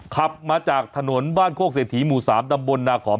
ขับมาจากถนนบ้านโคกเศรษฐีหมู่๓ตำบลนาขอม